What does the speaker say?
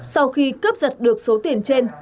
sau khi cướp giật được số tiền trên